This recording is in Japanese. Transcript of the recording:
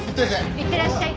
いってらっしゃい。